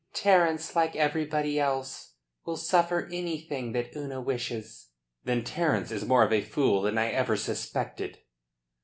"Terence, like everybody else, will suffer anything that Una wishes." "Then Terence is more of a fool than I ever suspected."